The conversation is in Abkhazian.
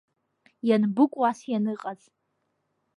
Ианбыкәу ас ианыҟаз…